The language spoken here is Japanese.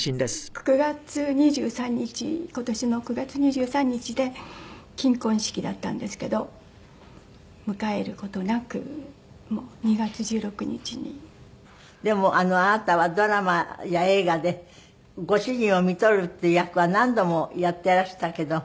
９月２３日今年の９月２３日で金婚式だったんですけど迎える事なくもう２月１６日に。でもあなたはドラマや映画でご主人をみとるっていう役は何度もやってらしたけど。